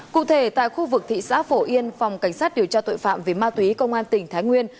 cụ thể tại khu vực thị xã phổ yên phòng cảnh sát điều tra tội phạm về ma túy công an tỉnh thái nguyên